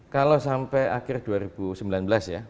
kalau sampai akhir dua ribu sembilan belas ya